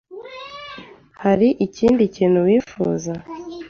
Hari ikindi kintu wifuza?